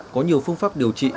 có nhiều phương pháp điều trị